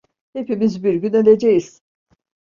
Hepimiz bir gün öleceğiz.